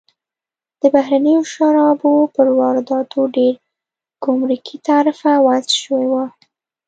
د بهرنیو شرابو پر وارداتو ډېر ګمرکي تعرفه وضع شوې وه.